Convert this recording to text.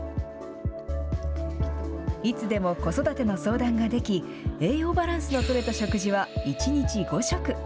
いつでも子育ての相談ができ、栄養バランスのとれた食事は１日５食。